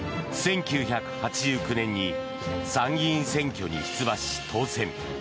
１９８９年に参議院選挙に出馬し当選。